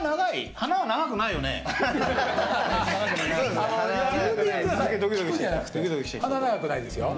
鼻長くないですよ。